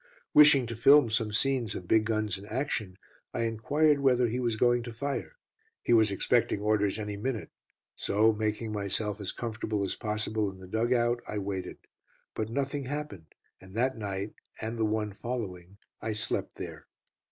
Wishing to film some scenes of big guns in action, I enquired whether he was going to fire. He was expecting orders any minute, so making myself as comfortable as possible in the dug out, I waited. But nothing happened, and that night, and the one following, I slept there.